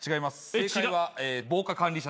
正解は防火管理者です。